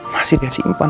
masih dia simpen